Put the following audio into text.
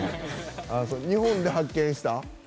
日本で発見した？